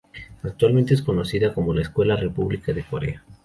Actualmente, es conocida como Escuela República de Corea.